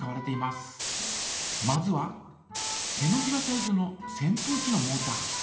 まずは手のひらサイズのせんぷうきのモータ。